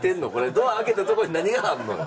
ドア開けたとこに何があるのよ？